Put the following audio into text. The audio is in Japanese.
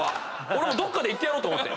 俺もうどっかで言ってやろうと思って。